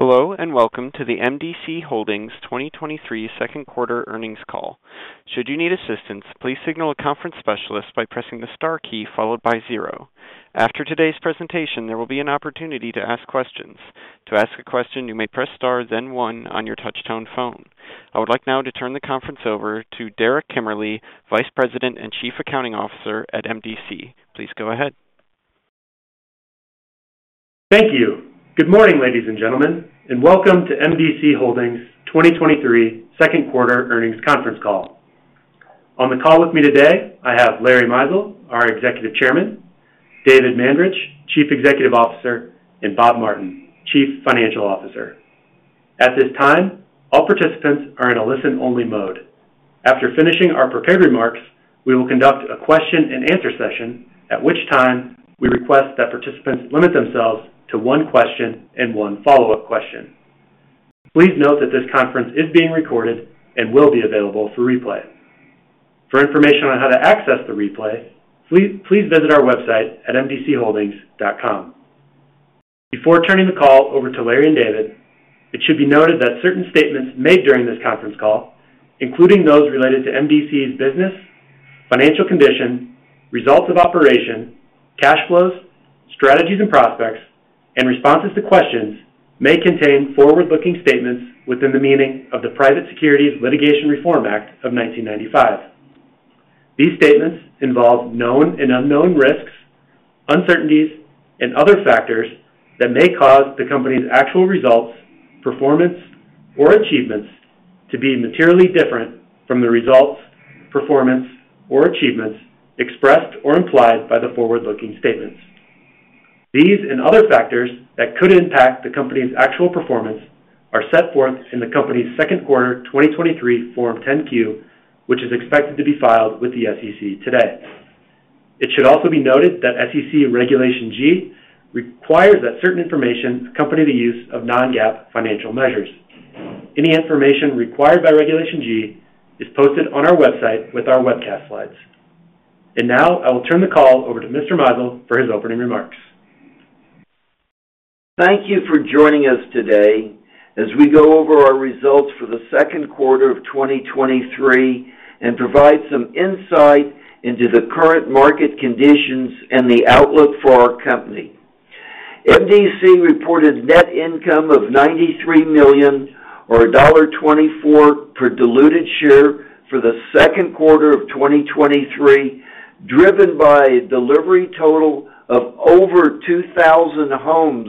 Hello, and welcome to the M.D.C. Holdings 2023 second quarter earnings call. Should you need assistance, please signal a conference specialist by pressing the star key followed by 0. After today's presentation, there will be an opportunity to ask questions. To ask a question, you may press star, then one on your touch-tone phone. I would like now to turn the conference over to Derek Kimmerle, Vice President and Chief Accounting Officer at M.D.C. Please go ahead. Thank you. Good morning, ladies and gentlemen, and welcome to M.D.C. Holdings' 2023 second quarter earnings conference call. On the call with me today, I have Larry Mizel, our Executive Chairman, David Mandarich, Chief Executive Officer, and Robert Martin, Chief Financial Officer. At this time, all participants are in a listen-only mode. After finishing our prepared remarks, we will conduct a question-and-answer session, at which time we request that participants limit themselves to one question and one follow-up question. Please note that this conference is being recorded and will be available for replay. For information on how to access the replay, please visit our website at mdcholdings.com. Before turning the call over to Larry and David, it should be noted that certain statements made during this conference call, including those related to M.D.C.'s business, financial condition, results of operation, cash flows, strategies and prospects, and responses to questions, may contain forward-looking statements within the meaning of the Private Securities Litigation Reform Act of 1995. These statements involve known and unknown risks, uncertainties, and other factors that may cause the company's actual results, performance, or achievements to be materially different from the results, performance, or achievements expressed or implied by the forward-looking statements. These and other factors that could impact the company's actual performance are set forth in the company's second quarter 2023 Form 10-Q, which is expected to be filed with the SEC today. It should also be noted that SEC Regulation G requires that certain information accompany the use of non-GAAP financial measures. Any information required by Regulation G is posted on our website with our webcast slides. Now I will turn the call over to Mr. Mizel for his opening remarks. Thank you for joining us today as we go over our results for the second quarter of 2023, and provide some insight into the current market conditions and the outlook for our company. MDC reported net income of $93 million, or $1.24 per diluted share for the second quarter of 2023, driven by a delivery total of over 2,000 homes,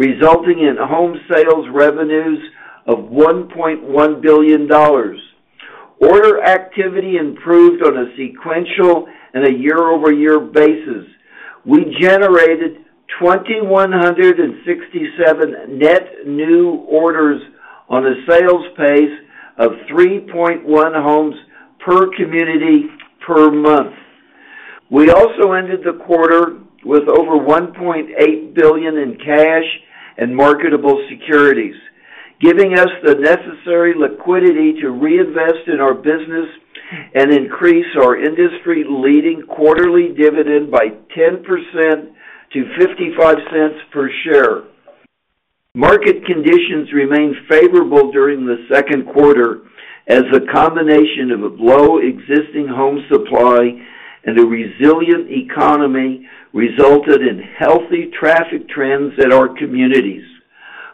resulting in home sales revenues of $1.1 billion. Order activity improved on a sequential and a year-over-year basis. We generated 2,167 net new orders on a sales pace of 3.1 homes per community per month. We also ended the quarter with over $1.8 billion in cash and marketable securities, giving us the necessary liquidity to reinvest in our business and increase our industry-leading quarterly dividend by 10% to $0.55 per share. Market conditions remained favorable during the second quarter as a combination of a low existing home supply and a resilient economy resulted in healthy traffic trends at our communities.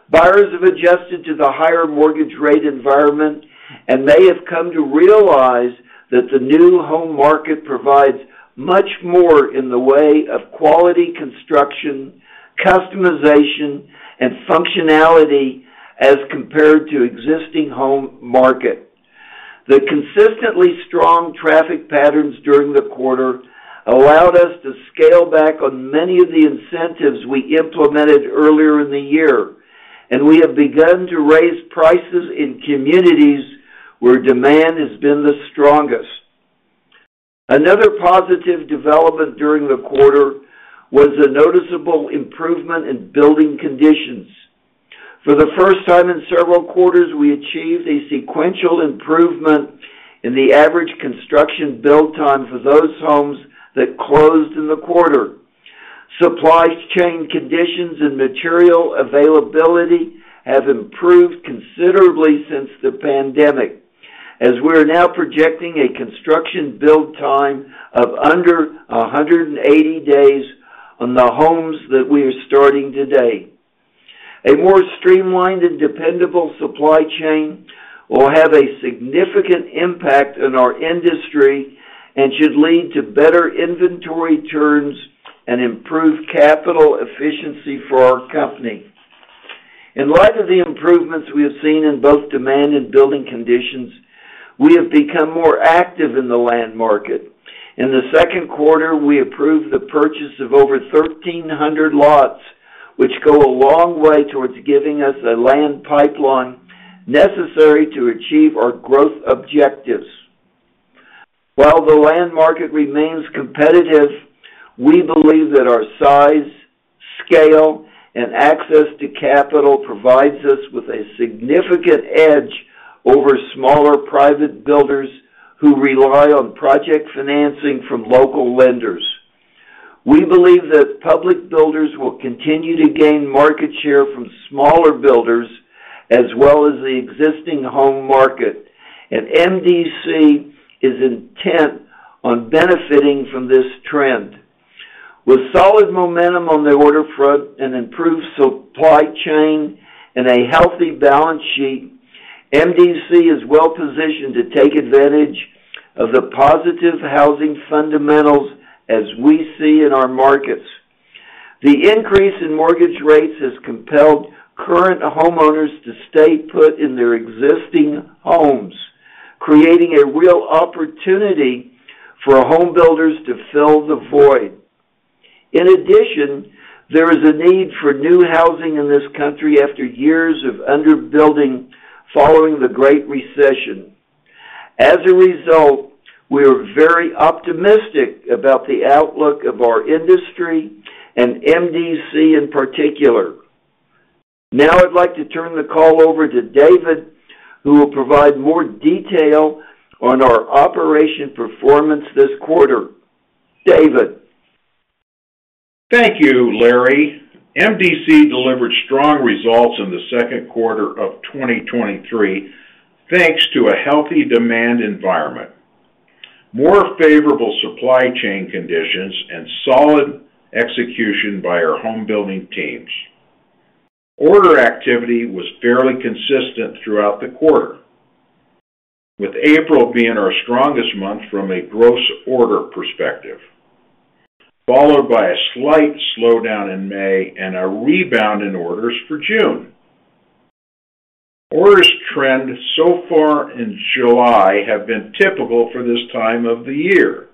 Buyers have adjusted to the higher mortgage rate environment and may have come to realize that the new home market provides much more in the way of quality construction, customization, and functionality as compared to existing home market. The consistently strong traffic patterns during the quarter allowed us to scale back on many of the incentives we implemented earlier in the year, and we have begun to raise prices in communities where demand has been the strongest. Another positive development during the quarter was a noticeable improvement in building conditions. For the first time in several quarters, we achieved a sequential improvement in the average construction build time for those homes that closed in the quarter. Supply chain conditions and material availability have improved considerably since the pandemic, as we are now projecting a construction build time of under 180 days on the homes that we are starting today. A more streamlined and dependable supply chain will have a significant impact on our industry and should lead to better inventory turns and improved capital efficiency for our company. In light of the improvements we have seen in both demand and building conditions, we have become more active in the land market. In the second quarter, we approved the purchase of over 1,300 lots, which go a long way towards giving us a land pipeline necessary to achieve our growth objectives. While the land market remains competitive, we believe that our size, scale, and access to capital provides us with a significant edge over smaller private builders who rely on project financing from local lenders. We believe that public builders will continue to gain market share from smaller builders as well as the existing home market. MDC is intent on benefiting from this trend. With solid momentum on the order front and improved supply chain and a healthy balance sheet, MDC is well-positioned to take advantage of the positive housing fundamentals as we see in our markets. The increase in mortgage rates has compelled current homeowners to stay put in their existing homes, creating a real opportunity for home builders to fill the void. In addition, there is a need for new housing in this country after years of under-building following the Great Recession. As a result, we are very optimistic about the outlook of our industry and M.D.C. in particular. Now I'd like to turn the call over to David, who will provide more detail on our operation performance this quarter. David. Thank you, Larry. MDC delivered strong results in the second quarter of 2023, thanks to a healthy demand environment, more favorable supply chain conditions, and solid execution by our home building teams. Order activity was fairly consistent throughout the quarter, with April being our strongest month from a gross order perspective, followed by a slight slowdown in May and a rebound in orders for June. Orders trend so far in July have been typical for this time of the year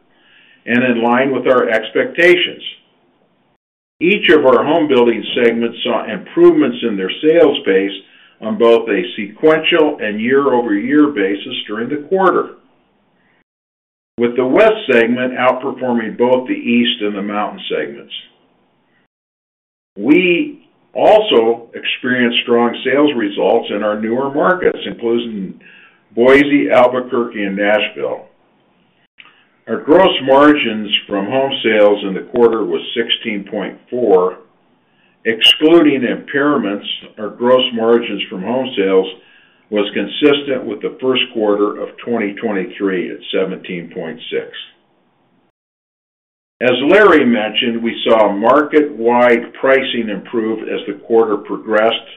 and in line with our expectations. Each of our home building segments saw improvements in their sales base on both a sequential and year-over-year basis during the quarter, with the West segment outperforming both the East and the Mountain segments. We also experienced strong sales results in our newer markets, including Boise, Albuquerque, and Nashville. Our gross margins from home sales in the quarter was 16.4%. Excluding impairments, our gross margins from home sales was consistent with the first quarter of 2023 at 17.6. As Larry mentioned, we saw market-wide pricing improve as the quarter progressed,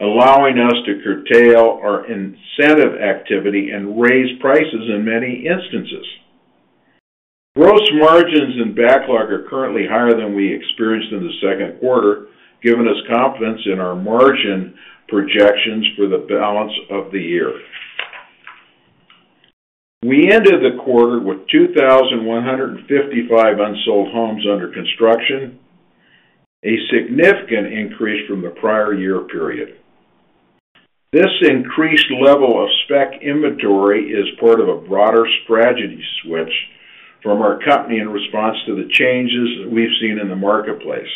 allowing us to curtail our incentive activity and raise prices in many instances. Gross margins and backlog are currently higher than we experienced in the second quarter, giving us confidence in our margin projections for the balance of the year. We ended the quarter with 2,155 unsold homes under construction, a significant increase from the prior year period. This increased level of spec inventory is part of a broader strategy switch from our company in response to the changes that we've seen in the marketplace.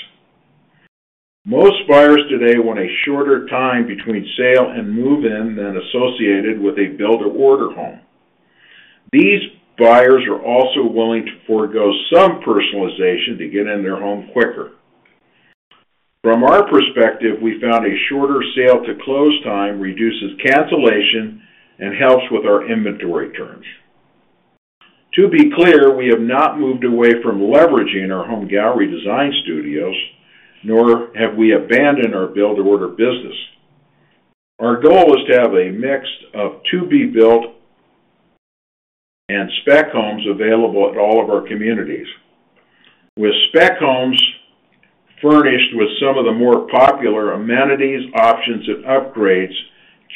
Most buyers today want a shorter time between sale and move-in than associated with a build-to-order home. These buyers are also willing to forego some personalization to get in their home quicker. From our perspective, we found a shorter sale-to-close time reduces cancellation and helps with our inventory turns. To be clear, we have not moved away from leveraging our Home Gallery design studios, nor have we abandoned our build-to-order business. Our goal is to have a mix of to-be-built and spec homes available at all of our communities, with spec homes furnished with some of the more popular amenities, options, and upgrades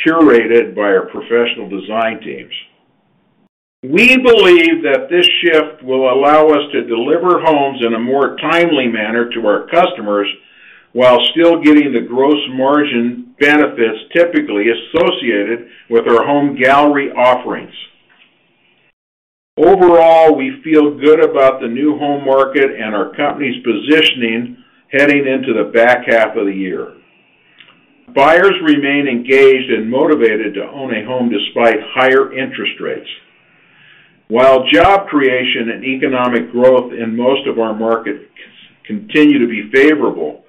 curated by our professional design teams. We believe that this shift will allow us to deliver homes in a more timely manner to our customers while still getting the gross margin benefits typically associated with our Home Gallery offerings. Overall, we feel good about the new home market and our company's positioning heading into the back half of the year. Buyers remain engaged and motivated to own a home despite higher interest rates. While job creation and economic growth in most of our markets continue to be favorable,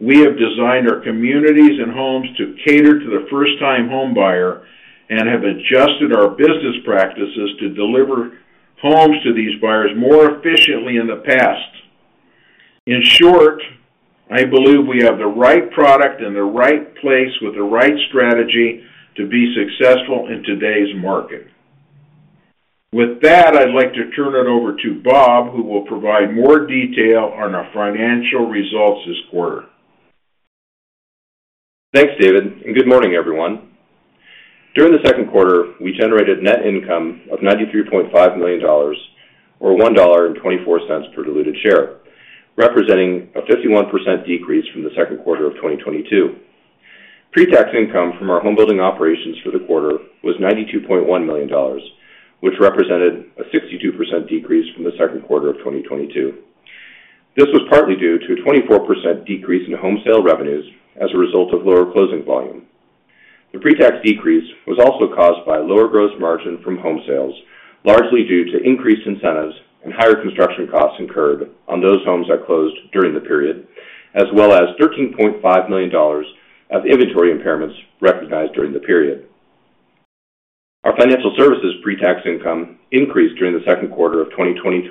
we have designed our communities and homes to cater to the first-time homebuyer and have adjusted our business practices to deliver homes to these buyers more efficiently in the past. In short, I believe we have the right product in the right place with the right strategy to be successful in today's market. With that, I'd like to turn it over to Bob, who will provide more detail on our financial results this quarter. Thanks, David. Good morning, everyone. During the second quarter, we generated net income of $93.5 million or $1.24 per diluted share, representing a 51% decrease from the second quarter of 2022. Pre-tax income from our home building operations for the quarter was $92.1 million, which represented a 62% decrease from the second quarter of 2022. This was partly due to a 24% decrease in home sale revenues as a result of lower closing volume. The pre-tax decrease was also caused by lower gross margin from home sales, largely due to increased incentives and higher construction costs incurred on those homes that closed during the period, as well as $13.5 million of inventory impairments recognized during the period. Our financial services pre-tax income increased during the second quarter of 2023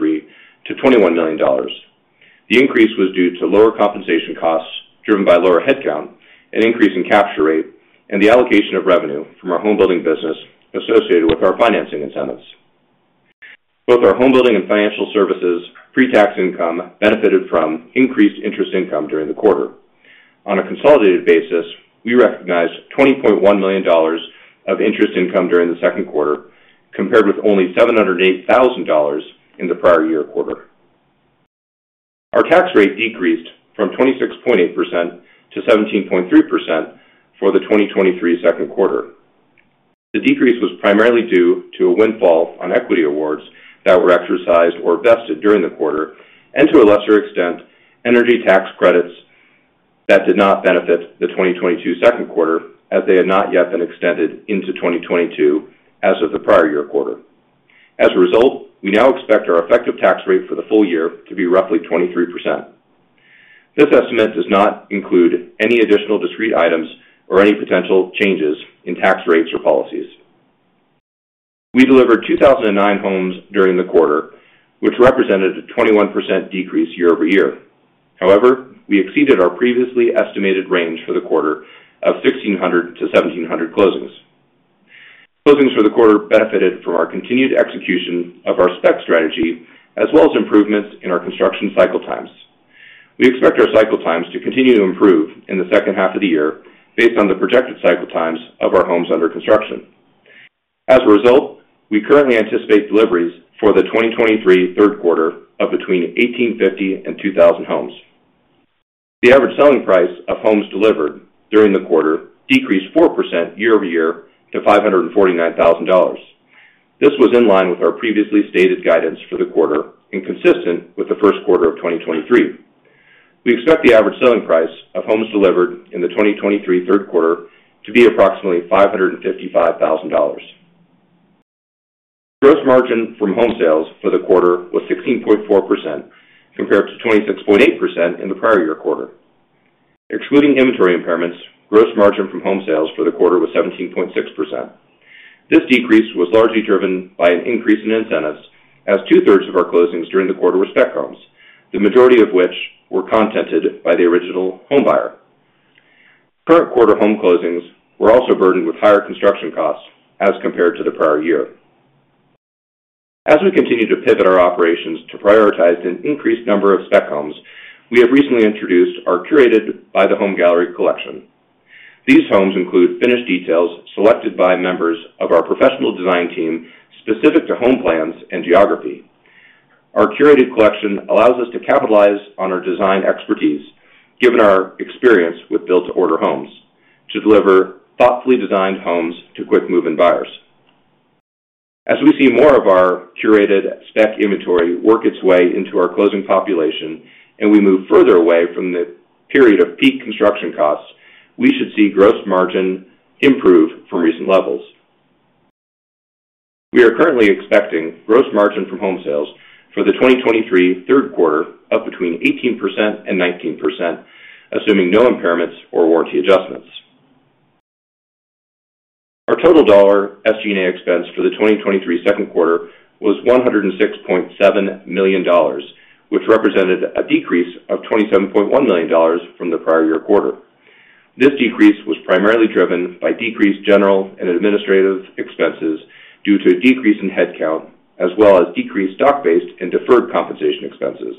to $21 million. The increase was due to lower compensation costs, driven by lower headcount and increase in capture rate, and the allocation of revenue from our home building business associated with our financing incentives. Both our home building and financial services pre-tax income benefited from increased interest income during the quarter. On a consolidated basis, we recognized $20.1 million of interest income during the second quarter, compared with only $708,000 in the prior year quarter. Our tax rate decreased from 26.8% - 17.3% for the 2023 second quarter. The decrease was primarily due to a windfall on equity awards that were exercised or vested during the quarter, and to a lesser extent, energy tax credits that did not benefit the 2022 second quarter, as they had not yet been extended into 2022 as of the prior year quarter. As a result, we now expect our effective tax rate for the full year to be roughly 23%. This estimate does not include any additional discrete items or any potential changes in tax rates or policies. We delivered 2,009 homes during the quarter, which represented a 21% decrease year-over-year. However, we exceeded our previously estimated range for the quarter of 1,600-1,700 closings. Closings for the quarter benefited from our continued execution of our spec strategy, as well as improvements in our construction cycle times. We expect our cycle times to continue to improve in the second half of the year based on the projected cycle times of our homes under construction. As a result, we currently anticipate deliveries for the 2023 third quarter of between 1,850 and 2,000 homes. The average selling price of homes delivered during the quarter decreased 4% year-over-year to $549,000. This was in line with our previously stated guidance for the quarter and consistent with the first quarter of 2023. We expect the average selling price of homes delivered in the 2023 third quarter to be approximately $555,000. Gross margin from home sales for the quarter was 16.4%, compared to 26.8% in the prior year quarter. Excluding inventory impairments, gross margin from home sales for the quarter was 17.6%. This decrease was largely driven by an increase in incentives, as two-thirds of our closings during the quarter were spec homes, the majority of which were contracted by the original home buyer. Current quarter home closings were also burdened with higher construction costs as compared to the prior year. As we continue to pivot our operations to prioritize an increased number of spec homes, we have recently introduced our Curated by the Home Gallery collection. These homes include finished details selected by members of our professional design team, specific to home plans and geography. Our curated collection allows us to capitalize on our design expertise, given our experience with build-to-order homes, to deliver thoughtfully designed homes to quick move-in buyers. As we see more of our curated spec inventory work its way into our closing population, and we move further away from the period of peak construction costs, we should see gross margin improve from recent levels. We are currently expecting gross margin from home sales for the 2023 third quarter of between 18% and 19%, assuming no impairments or warranty adjustments. Our total dollar SG&A expense for the 2023 second quarter was $106.7 million, which represented a decrease of $27.1 million from the prior year quarter. This decrease was primarily driven by decreased general and administrative expenses due to a decrease in headcount, as well as decreased stock-based and deferred compensation expenses.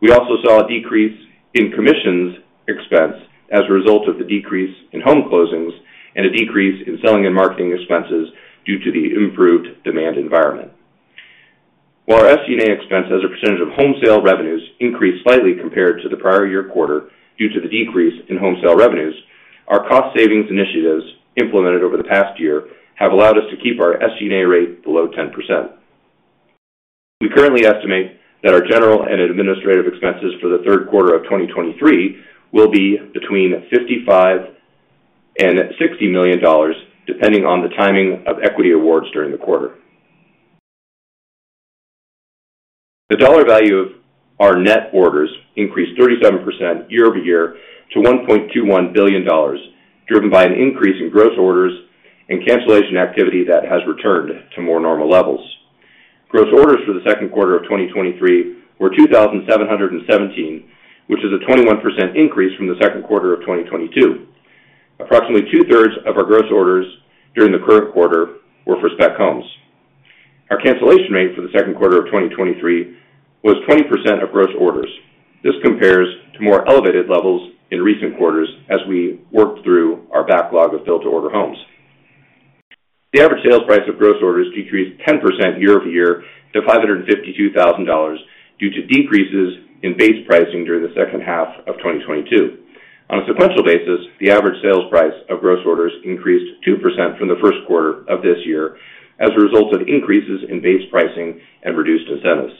We also saw a decrease in commissions expense as a result of the decrease in home closings, and a decrease in selling and marketing expenses due to the improved demand environment. While our SG&A expense as a percentage of home sale revenues increased slightly compared to the prior year quarter due to the decrease in home sale revenues, our cost savings initiatives implemented over the past year have allowed us to keep our SG&A rate below 10%. We currently estimate that our general and administrative expenses for the third quarter of 2023 will be between $55 million and $60 million, depending on the timing of equity awards during the quarter. The dollar value of our net orders increased 37% year-over-year to $1.21 billion, driven by an increase in gross orders and cancellation activity that has returned to more normal levels. Gross orders for the second quarter of 2023 were 2,717, which is a 21% increase from the second quarter of 2022. Approximately two-thirds of our gross orders during the current quarter were for spec homes. Our cancellation rate for the second quarter of 2023 was 20% of gross orders. This compares to more elevated levels in recent quarters as we worked through our backlog of build-to-order homes. The average sales price of gross orders decreased 10% year-over-year to $552,000 due to decreases in base pricing during the second half of 2022. On a sequential basis, the average sales price of gross orders increased 2% from the first quarter of this year as a result of increases in base pricing and reduced incentives.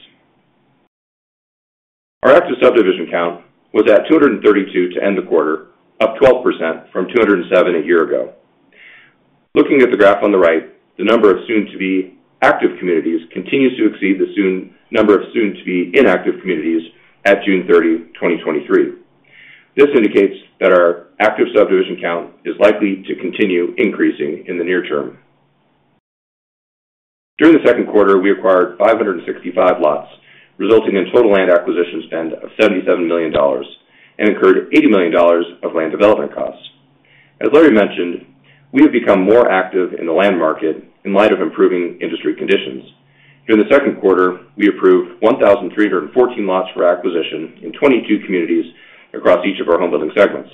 Our active subdivision count was at 232 to end the quarter, up 12% from 207 a year ago. Looking at the graph on the right, the number of soon-to-be active communities continues to exceed the number of soon-to-be inactive communities at June 30, 2023. This indicates that our active subdivision count is likely to continue increasing in the near term. During the second quarter, we acquired 565 lots, resulting in total land acquisition spend of $77 million and incurred $80 million of land development costs. As Larry mentioned, we have become more active in the land market in light of improving industry conditions. During the second quarter, we approved 1,314 lots for acquisition in 22 communities across each of our home building segments.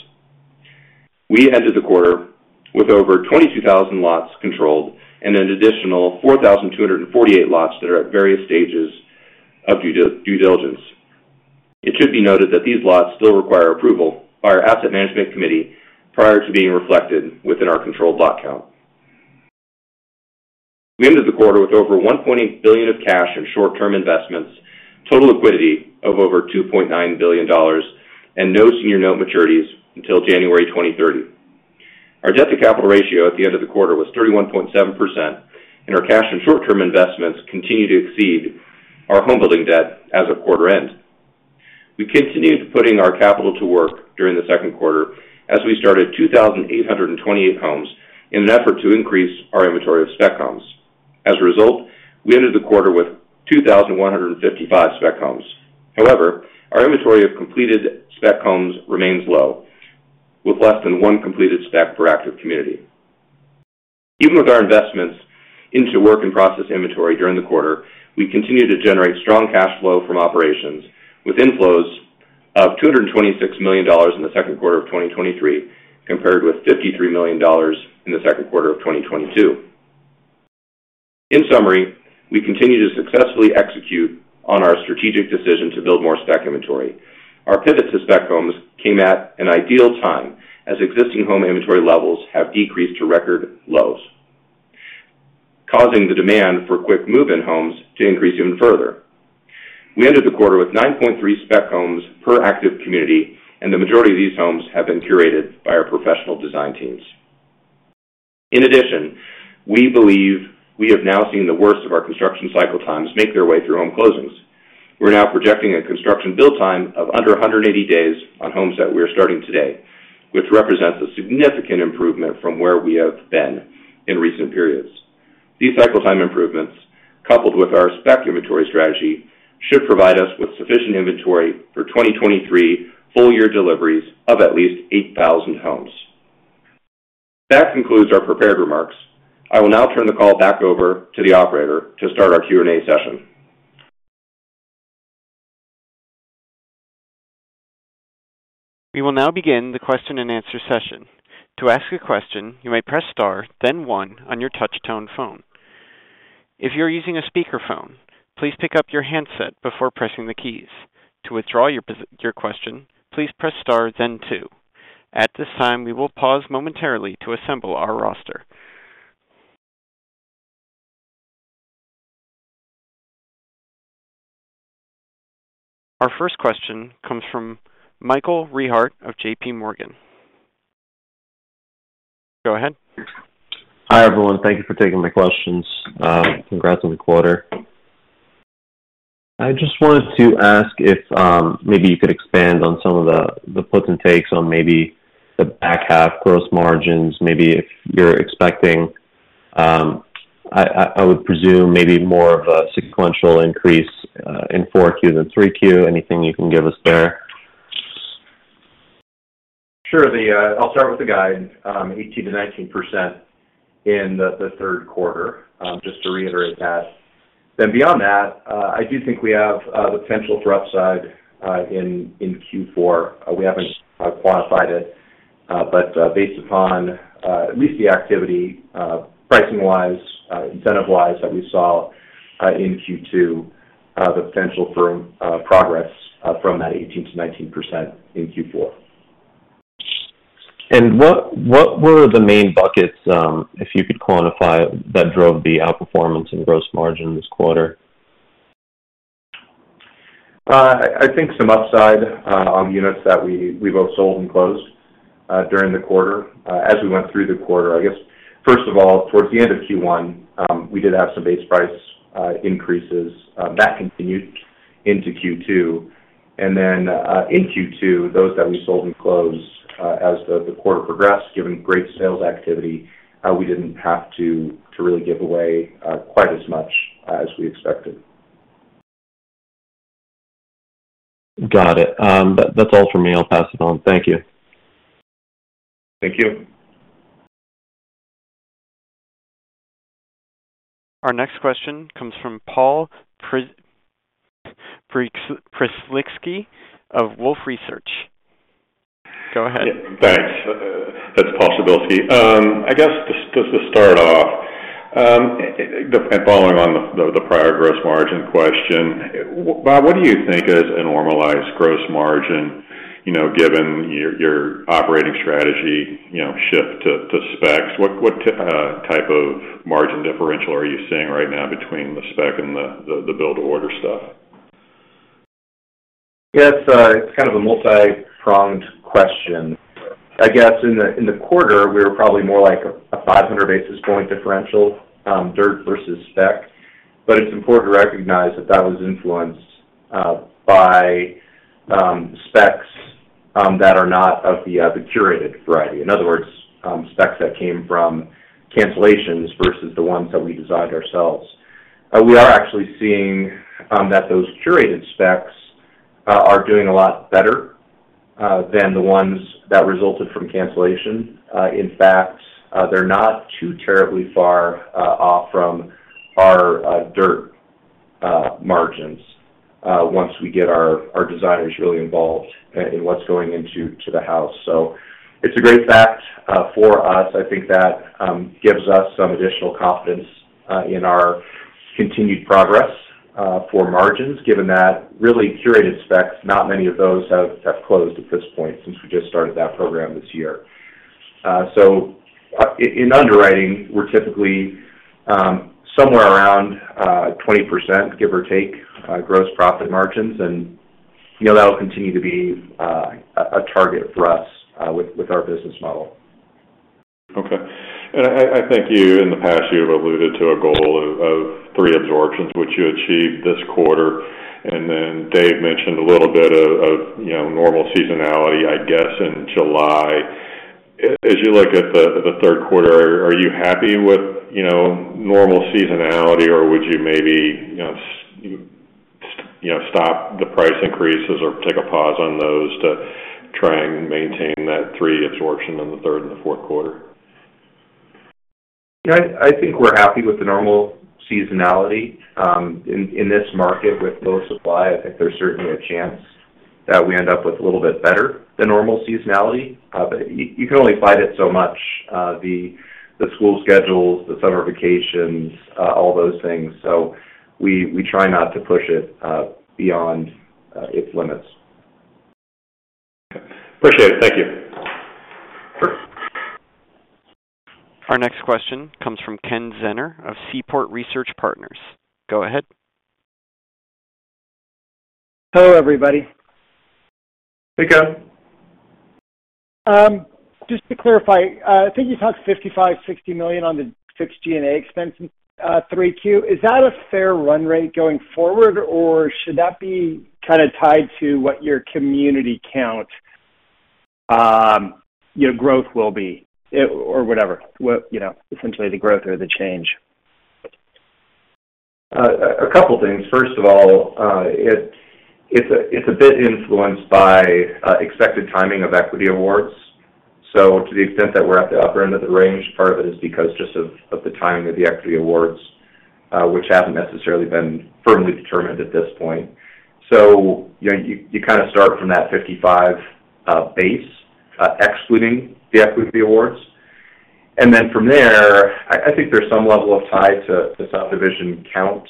We entered the quarter with over 22,000 lots controlled and an additional 4,248 lots that are at various stages of due diligence. It should be noted that these lots still require approval by our Asset Management Committee prior to being reflected within our controlled lot count. We ended the quarter with over $1 billion of cash and short-term investments, total liquidity of over $2.9 billion, and no senior note maturities until January 2030. Our debt-to-capital ratio at the end of the quarter was 31.7%, and our cash and short-term investments continue to exceed our home building debt as of quarter end. We continued putting our capital to work during the second quarter as we started 2,828 homes in an effort to increase our inventory of spec homes. As a result, we ended the quarter with 2,155 spec homes. However, our inventory of completed spec homes remains low, with less than 1 completed spec per active community. Even with our investments into work and process inventory during the quarter, we continued to generate strong cash flow from operations, with inflows of $226 million in the second quarter of 2023, compared with $53 million in the second quarter of 2022. In summary, we continue to successfully execute on our strategic decision to build more spec inventory. Our pivot to spec homes came at an ideal time, as existing home inventory levels have decreased to record lows, causing the demand for quick move-in homes to increase even further. We ended the quarter with 9.3 spec homes per active community, the majority of these homes have been curated by our professional design teams. In addition, we believe we have now seen the worst of our construction cycle times make their way through home closings. We're now projecting a construction build time of under 180 days on homes that we are starting today, which represents a significant improvement from where we have been in recent periods. These cycle time improvements, coupled with our spec inventory strategy, should provide us with sufficient inventory for 2023 full-year deliveries of at least 8,000 homes. That concludes our prepared remarks. I will now turn the call back over to the operator to start our Q&A session. We will now begin the Q&A session. To ask a question, you may press Star, then one on your touchtone phone. If you are using a speakerphone, please pick up your handset before pressing the keys. To withdraw your question, please press Star, then two. At this time, we will pause momentarily to assemble our roster. Our first question comes from Michael Rehaut of JPMorgan. Go ahead. Hi, everyone. Thank you for taking my questions. Congrats on the quarter. I just wanted to ask if maybe you could expand on some of the puts and takes on maybe the back half gross margins, maybe if you're expecting... I would presume maybe more of a sequential increase in 4Q than 3Q. Anything you can give us there? Sure. The, I'll start with the guide, 18% - 19% in the 3rd quarter, just to reiterate that. Beyond that, I do think we have the potential for upside in Q4. We haven't quantified it, but based upon at least the activity, pricing-wise, incentive-wise, that we saw in Q2, the potential for progress from that 18% - 19% in Q4. What were the main buckets, if you could quantify, that drove the outperformance in gross margin this quarter? I think some upside on units that we both sold and closed during the quarter. As we went through the quarter, I guess, first of all, towards the end of Q1, we did have some base price increases. That continued into Q2. In Q2, those that we sold and closed, as the quarter progressed, given great sales activity, we didn't have to really give away quite as much as we expected. Got it. That's all for me. I'll pass it on. Thank you. Thank you. Our next question comes from Paul Przybylski of Wolfe Research. Go ahead. Thanks. That's Paul Przybylski. I guess, just, just to start off, and following on the, the, the prior gross margin question, Robert Martin, what do you think is a normalized gross margin? You know, given your, your operating strategy, you know, shift to, to spec, what, what, type of margin differential are you seeing right now between the spec and the, the build-to-order? Yes, it's kind of a multipronged question. I guess, in the quarter, we were probably more like a 500 basis point differential, dirt versus spec. It's important to recognize that that was influenced by specs that are not of the curated variety. In other words, specs that came from cancellations versus the ones that we designed ourselves. We are actually seeing that those curated specs are doing a lot better than the ones that resulted from cancellation. In fact, they're not too terribly far off from our dirt margins once we get our designers really involved in what's going into the house. It's a great fact for us. I think that gives us some additional confidence in our continued progress for margins, given that really curated specs, not many of those have closed at this point since we just started that program this year. In underwriting, we're typically somewhere around 20%, give or take, gross profit margins, and, you know, that will continue to be a target for us with our business model. Okay. I think you, in the past, you have alluded to a goal of 3 absorptions, which you achieved this quarter, and then Dave mentioned a little bit of, you know, normal seasonality, I guess, in July. As you look at the 3rd quarter, are you happy with, you know, normal seasonality, or would you maybe, you know, stop the price increases or take a pause on those to try and maintain that 3 absorption in the 3rd and the 4th quarter? I think we're happy with the normal seasonality, in this market with low supply. I think there's certainly a chance that we end up with a little bit better than normal seasonality. You can only fight it so much, the school schedules, the summer vacations, all those things, so we try not to push it beyond its limits. Okay. Appreciate it. Thank you. Our next question comes from Kenneth Zener of Seaport Research Partners. Go ahead. Hello, everybody. Hey, Ken. Just to clarify, I think you talked $55 million to $60 million on the fixed G&A expense in 3Q. Is that a fair run rate going forward, or should that be kind of tied to what your community count, your growth will be, or whatever? What, you know, essentially the growth or the change. First of all, it's a bit influenced by expected timing of equity awards. To the extent that we're at the upper end of the range, part of it is because just of the timing of the equity awards, which haven't necessarily been firmly determined at this point. You know, you kind of start from that 55 base excluding the equity awards. From there, I think there's some level of tie to the subdivision count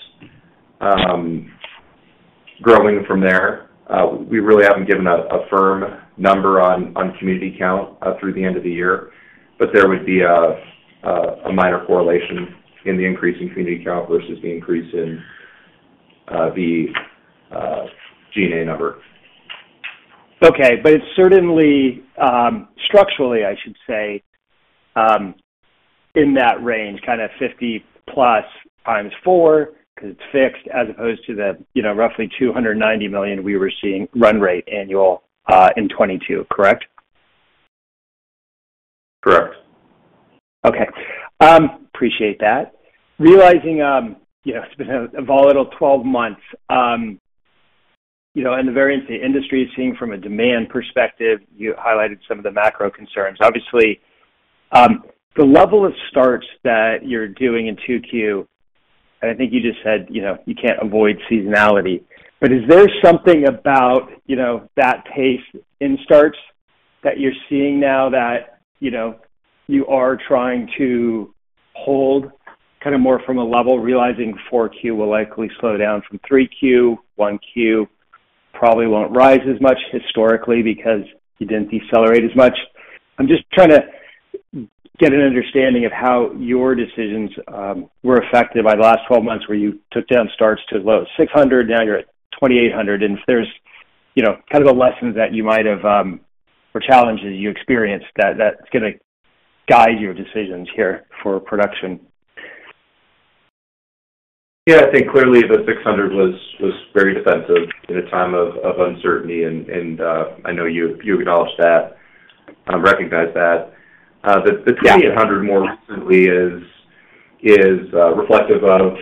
growing from there. We really haven't given a firm number on community count through the end of the year, but there would be a minor correlation in the increase in community count versus the increase in the G&A number. Okay, it's certainly, structurally, I should say, in that range, kind of 50+ times 4, because it's fixed, as opposed to the, you know, roughly $290 million we were seeing run rate annual, in 2022, correct? Correct. Okay. Appreciate that. Realizing, you know, it's been a, a volatile 12 months, you know, and the variance the industry is seeing from a demand perspective, you highlighted some of the macro concerns. Obviously, the level of starts that you're doing in 2Q, and I think you just said, you know, you can't avoid seasonality. Is there something about, you know, that pace in starts that you're seeing now that, you know, you are trying to hold kind of more from a level, realizing 4Q will likely slow down from 3Q, 1Q, probably won't rise as much historically because you didn't decelerate as much? I'm just trying to get an understanding of how your decisions were affected by the last 12 months, where you took down starts to low 600, now you're at 2,800. If there's, you know, kind of a lesson that you might have, or challenges you experienced that, that's gonna guide your decisions here for production. I think clearly the 600 was very defensive in a time of uncertainty, and I know you acknowledged that, recognize that. The 2,000 more recently is reflective of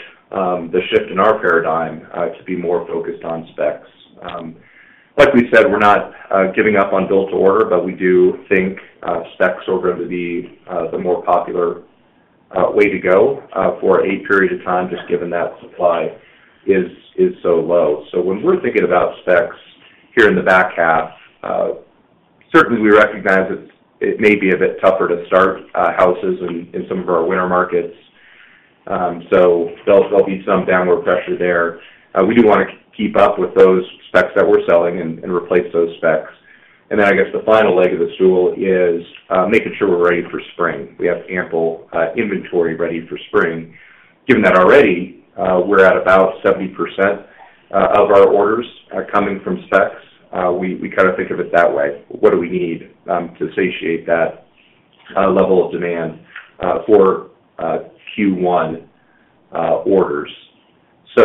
the shift in our paradigm to be more focused on specs. Like we said, we're not giving up on build-to-order, but we do think specs are going to be the more popular way to go for a period of time, just given that supply is so low. When we're thinking about specs here in the back half, certainly we recognize that it may be a bit tougher to start houses in some of our winter markets. There'll be some downward pressure there. We do wanna keep up with those specs that we're selling and replace those specs. Then, I guess, the final leg of the stool is making sure we're ready for spring. We have ample inventory ready for spring. Given that already, we're at about 70% of our orders are coming from specs, we kind of think of it that way. What do we need to satiate that level of demand for Q1 orders?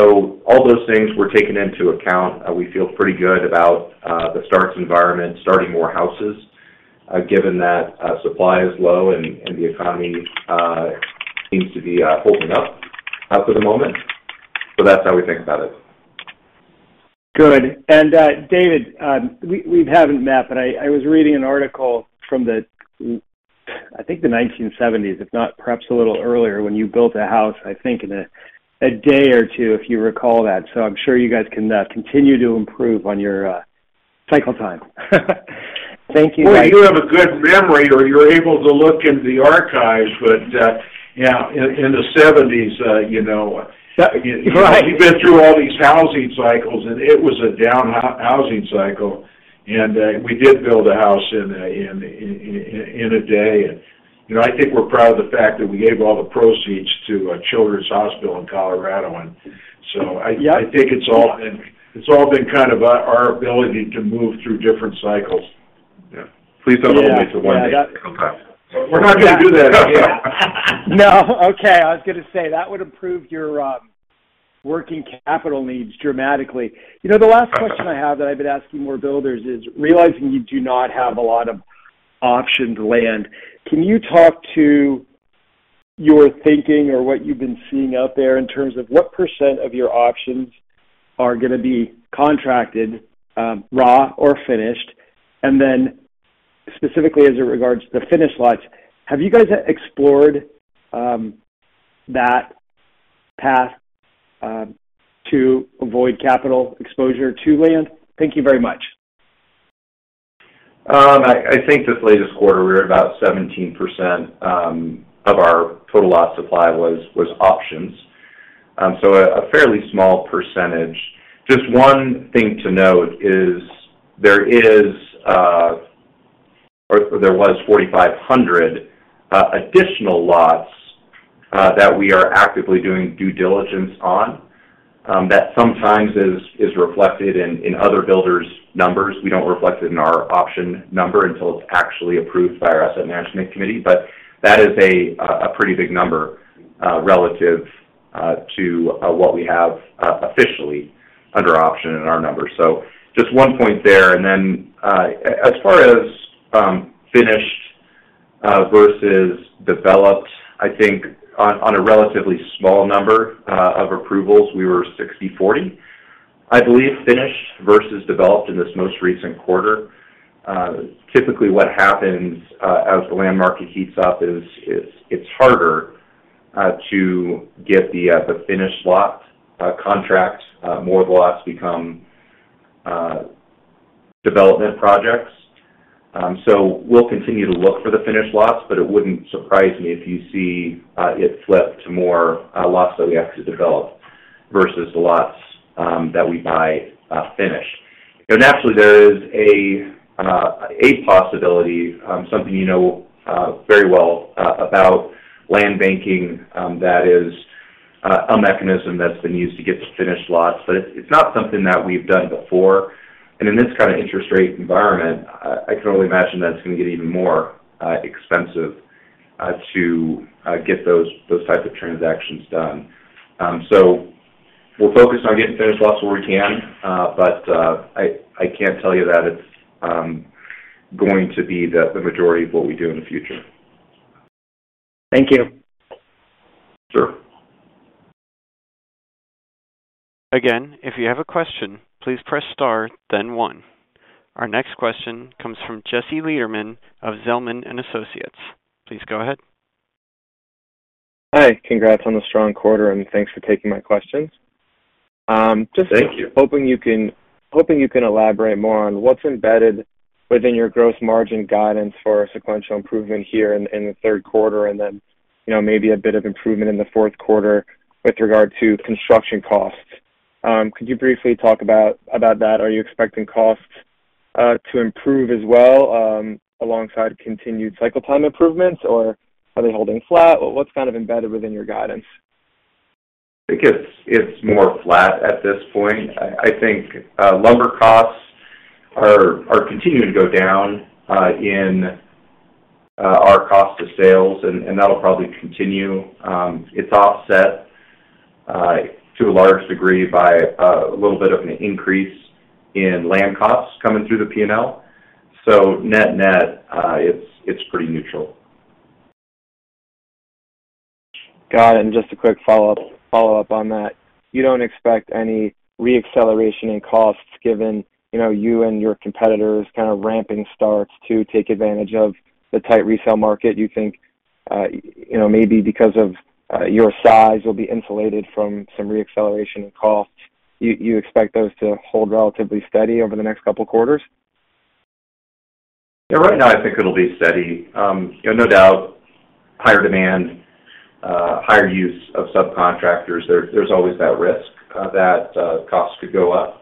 All those things were taken into account. We feel pretty good about the starts environment, starting more houses, given that supply is low and the economy seems to be opening up for the moment. That's how we think about it. Good. David, we haven't met, but I was reading an article from the, I think the 1970s, if not, perhaps a little earlier, when you built a house, I think in a day or two, if you recall that. I'm sure you guys can continue to improve on your cycle time. Thank you guys. Well, you have a good memory, or you're able to look into the archives, but, yeah, in the seventies, you know, Right. You've been through all these housing cycles, and it was a down housing cycle, and we did build a house in a day. You know, I think we're proud of the fact that we gave all the proceeds to a children's hospital in Colorado. Yeah. I think it's all been kind of our ability to move through different cycles. Yeah. Please don't hold me to one day. We're not gonna do that again. No. Okay, I was gonna say, that would improve your working capital needs dramatically. You know, the last question I have, that I've been asking more builders is: Realizing you do not have a lot of optioned land, can you talk to your thinking or what you've been seeing out there in terms of what % of your options are gonna be contracted, raw or finished? And then, specifically, as it regards to the finished lots, have you guys explored that path to avoid capital exposure to land? Thank you very much. I think this latest quarter, we're at about 17% of our total lot supply was options. A fairly small percentage. Just one thing to note is, there is or there was 4,500 additional lots that we are actively doing due diligence on. That sometimes is reflected in other builders' numbers. We don't reflect it in our option number until it's actually approved by our Asset Management Committee, that is a pretty big number relative to what we have officially under option in our numbers. Just one point there. As far as finished versus developed, I think on a relatively small number of approvals, we were 60/40. I believe, finished versus developed in this most recent quarter, typically what happens as the land market heats up is it's harder to get the finished lot contract. More lots become development projects. We'll continue to look for the finished lots, but it wouldn't surprise me if you see it flip to more lots that we actually develop versus the lots that we buy finished. Naturally, there is a possibility, something you know very well about land banking, that is a mechanism that's been used to get the finished lots. It's not something that we've done before. In this kind of interest rate environment, I can only imagine that it's gonna get even more expensive to get those types of transactions done. We'll focus on getting finished lots where we can, but I can't tell you that it's going to be the majority of what we do in the future. Thank you. Sure. If you have a question, please press Star, then One. Our next question comes from Jesse Lederman of Zelman & Associates. Please go ahead. Hi, congrats on the strong quarter. Thanks for taking my questions. Thank you. hoping you can elaborate more on what's embedded within your gross margin guidance for a sequential improvement here in the third quarter, and then, you know, maybe a bit of improvement in the fourth quarter with regard to construction costs. Could you briefly talk about that? Are you expecting costs to improve as well, alongside continued cycle time improvements, or are they holding flat? What's kind of embedded within your guidance? I think it's more flat at this point. I think lumber costs are continuing to go down in our cost of sales, and that'll probably continue. It's offset to a large degree by a little bit of an increase in land costs coming through the P&L. Net-net, it's pretty neutral. Got it, just a quick follow-up on that. You don't expect any re-acceleration in costs, given, you know, you and your competitors kind of ramping starts to take advantage of the tight resale market? You think, you know, maybe because of your size, you'll be insulated from some re-acceleration in costs, you expect those to hold relatively steady over the next couple of quarters? Yeah, right now, I think it'll be steady. You know, no doubt, higher demand, higher use of subcontractors. There, there's always that risk, that costs could go up.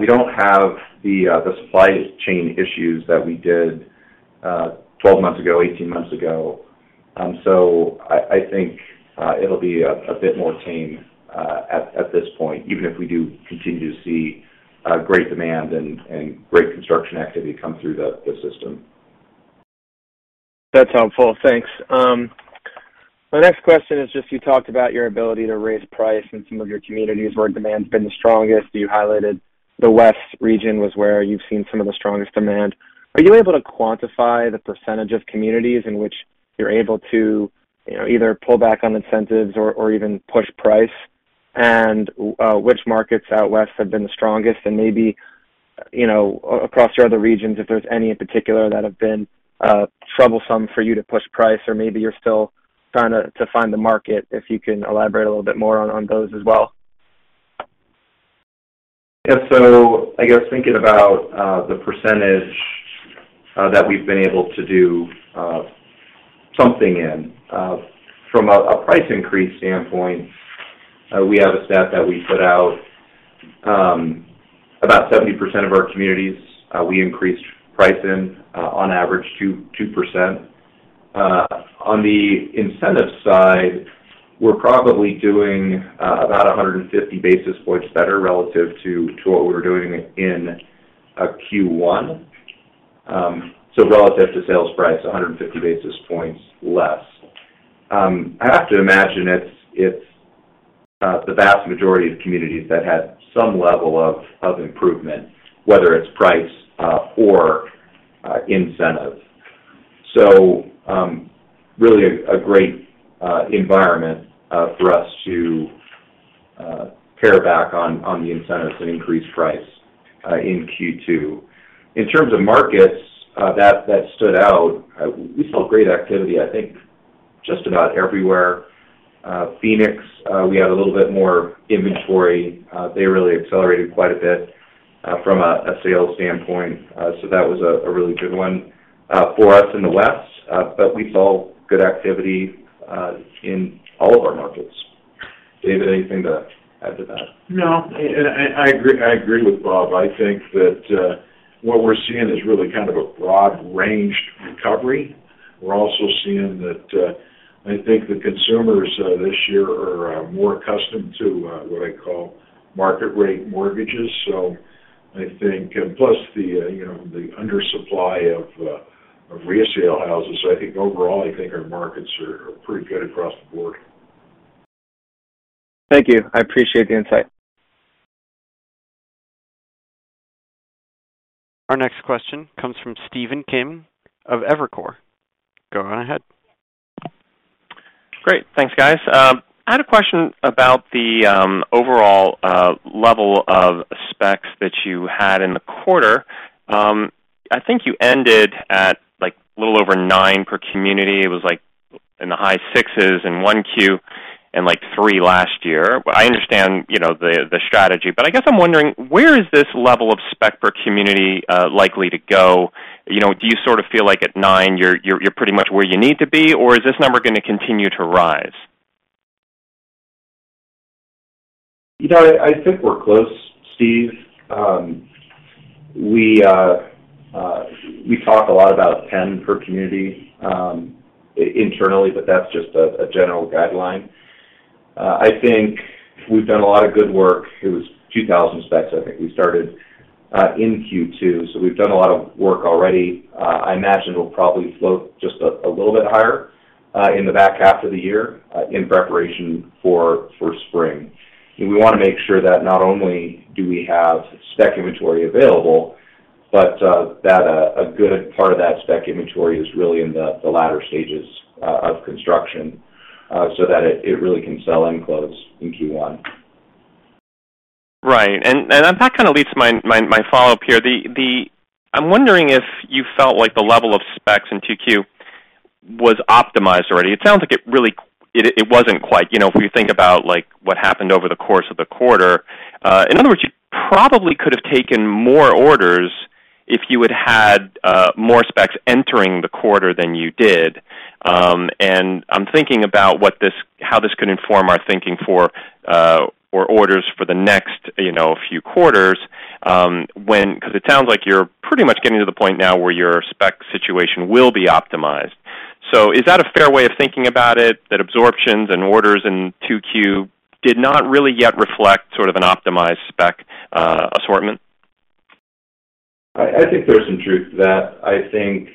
We don't have the supply chain issues that we did, 12 months ago, 18 months ago. I, I think, it'll be a bit more tame, at this point, even if we do continue to see great demand and great construction activity come through the system. That's helpful. Thanks. My next question is, you talked about your ability to raise price in some of your communities where demand's been the strongest. You highlighted the West region was where you've seen some of the strongest demand. Are you able to quantify the percentage of communities in which you're able to, you know, either pull back on incentives or even push price? Which markets out West have been the strongest, and maybe, you know, across your other regions, if there's any in particular that have been troublesome for you to push price, or maybe you're still trying to find the market, if you can elaborate a little bit more on those as well. I guess thinking about the percentage that we've been able to do something in. From a price increase standpoint, we have a stat that we put out. About 70% of our communities, we increased price in on average, 2%. On the incentive side, we're probably doing about 150 basis points better relative to what we were doing in Q1. Relative to sales price, 150 basis points less. I have to imagine it's the vast majority of communities that had some level of improvement, whether it's price or incentive. Really a great environment for us to pare back on the incentives and increase price in Q2. In terms of markets, that stood out, we saw great activity, I think, just about everywhere. Phoenix, we had a little bit more inventory. They really accelerated quite a bit, from a sales standpoint. That was a really good one, for us in the West. We saw good activity, in all of our markets. David, anything to add to that? No, I agree, I agree with Bob. I think that what we're seeing is really kind of a broad-ranged recovery. We're also seeing that I think the consumers this year are more accustomed to what I call market rate mortgages. I think. Plus, you know, the undersupply of resale houses. I think overall, I think our markets are pretty good across the board. Thank you. I appreciate the insight. Our next question comes from Stephen Kim of Evercore. Go right ahead. Great. Thanks, guys. I had a question about the overall level of specs that you had in the quarter. I think you ended at a little over 9 per community. It was in the high 6s in 1 Q and 3 last year. I understand, you know, the strategy, but I guess I'm wondering, where is this level of spec per community likely to go? You know, do you sort of feel like at 9, you're pretty much where you need to be, or is this number gonna continue to rise? You know, I, I think we're close, Steve. We talk a lot about 10 per community internally, but that's just a general guideline. I think we've done a lot of good work. It was 2,000 specs, I think, we started in Q2, so we've done a lot of work already. I imagine it'll probably float just a little bit higher in the back half of the year in preparation for spring. We wanna make sure that not only do we have spec inventory available, but that a good part of that spec inventory is really in the latter stages of construction, so that it really can sell and close in Q1. Right. That kind of leads to my follow-up here. I'm wondering if you felt like the level of specs in Q2 was optimized already. It sounds like it wasn't quite. You know, if we think about, like, what happened over the course of the quarter. In other words, you probably could have taken more orders if you had more specs entering the quarter than you did. I'm thinking about how this could inform our thinking for orders for the next, you know, few quarters. It sounds like you're pretty much getting to the point now where your spec situation will be optimized. Is that a fair way of thinking about it, that absorptions and orders in Q2 did not really yet reflect sort of an optimized spec assortment? I think there's some truth to that. I think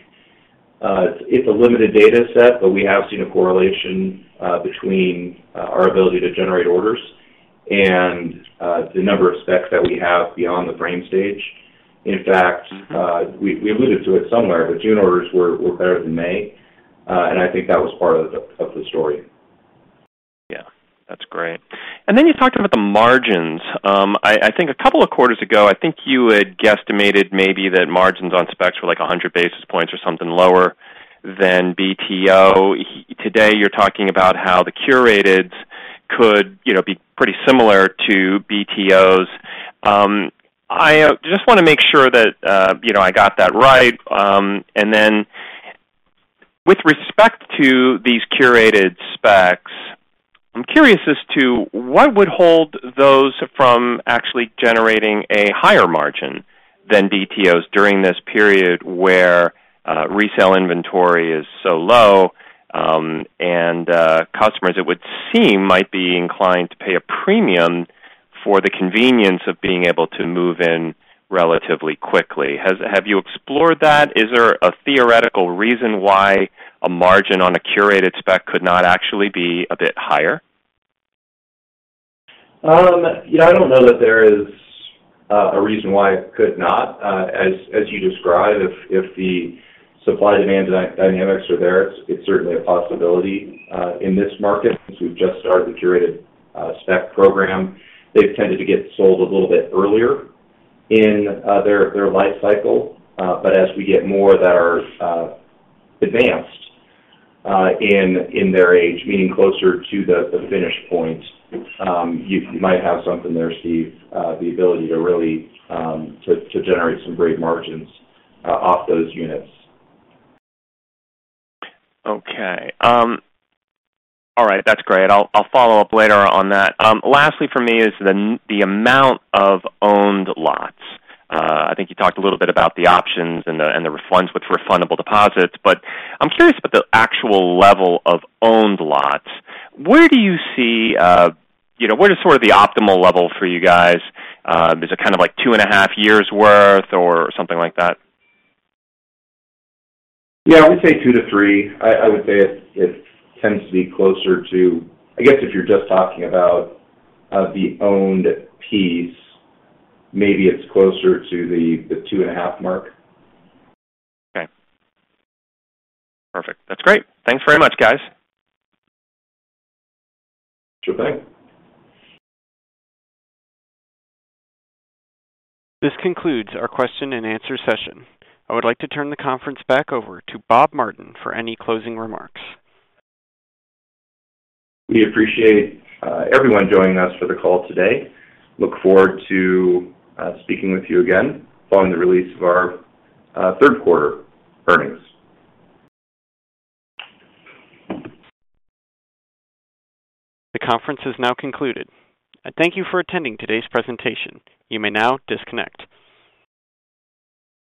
it's a limited data set, but we have seen a correlation between our ability to generate orders and the number of specs that we have beyond the frame stage. In fact, we alluded to it somewhere, but June orders were better than May, and I think that was part of the story. Yeah, that's great. You talked about the margins. I think a couple of quarters ago, I think you had guesstimated maybe that margins on specs were like 100 basis points or something lower than BTO. Today, you're talking about how the curated could, you know, be pretty similar to BTOs. I just wanna make sure that, you know, I got that right. With respect to these curated specs, I'm curious as to what would hold those from actually generating a higher margin than BTOs during this period, where resale inventory is so low, and customers, it would seem, might be inclined to pay a premium for the convenience of being able to move in relatively quickly. Have you explored that? Is there a theoretical reason why a margin on a curated spec could not actually be a bit higher? Yeah, I don't know that there is a reason why it could not. As you described, if the supply-demand dynamics are there, it's certainly a possibility in this market. Since we've just started the curated spec program, they've tended to get sold a little bit earlier in their life cycle. As we get more that are advanced in their age, meaning closer to the finish point, you might have something there, Steve, the ability to really to generate some great margins off those units. Okay. All right, that's great. I'll follow up later on that. Lastly, for me is the amount of owned lots. I think you talked a little bit about the options and the refunds with refundable deposits, but I'm curious about the actual level of owned lots. Where do you see, you know, where is sort of the optimal level for you guys? Is it kind of like two and a half years worth or something like that? Yeah, I would say 2 to 3. I would say it tends to be closer to, I guess if you're just talking about the owned piece, maybe it's closer to the 2.5 mark. Okay. Perfect. That's great. Thanks very much, guys. Sure thanks. This concludes our Q&A session. I would like to turn the Conference back over to Robert Martin for any closing remarks. We appreciate everyone joining us for the Call today. Look forward to speaking with you again following the release of our third quarter earnings. The Conference is now concluded. I thank you for attending today's presentation. You may now disconnect.